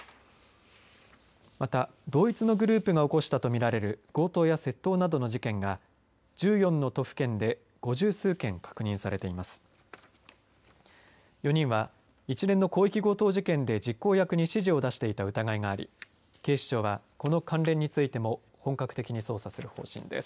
また、同一のグループが起こしたと見られる強盗や窃盗などの事件が１４の都府県で５０数件確認されています。